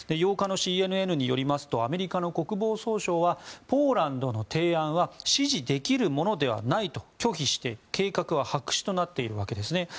８日のＣＮＮによりますとアメリカの国防総省はポーランドの提案は支持できるものではないと拒否して、計画は白紙となっているわけです。